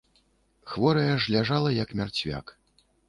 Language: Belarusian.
Хворая ж ляжала, як мярцвяк.